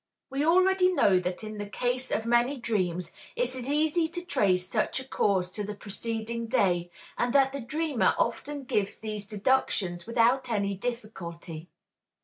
We already know that in the case of many dreams it is easy to trace such a cause to the preceding day, and that the dreamer often gives these deductions without any difficulty.